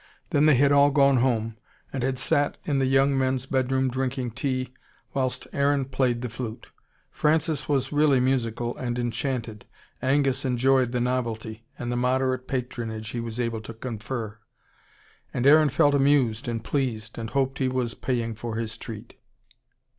Then they had all gone home and had sat in the young men's bedroom drinking tea, whilst Aaron played the flute. Francis was really musical, and enchanted. Angus enjoyed the novelty, and the moderate patronage he was able to confer. And Aaron felt amused and pleased, and hoped he was paying for his treat.